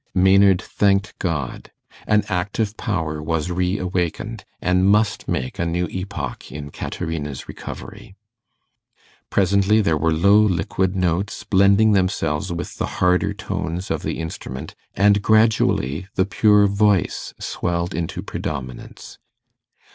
Maynard thanked God. An active power was re awakened, and must make a new epoch in Caterina's recovery. Presently there were low liquid notes blending themselves with the harder tones of the instrument, and gradually the pure voice swelled into predominance.